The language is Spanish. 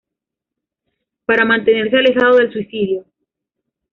Para mantenerse alejado del suicidio.